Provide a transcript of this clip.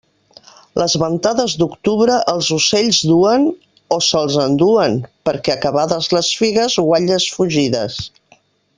Les ventades d'octubre els ocells duen, o se'ls enduen, perquè acabades les figues, guatlles fugides.